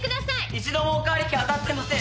一度もお替り券当たってません！